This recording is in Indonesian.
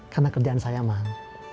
karena kerjaan saya mahal